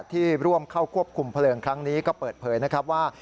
ที่ร่วมเข้าควบคุมเพลิงครั้งนี้ก็เปิดเผยนะครับว่า